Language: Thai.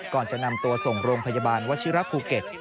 ก่อนจะนำตัวส่งโรงพยาบาลวชิระภูเก็ต